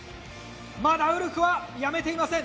まだウルフはやめていません。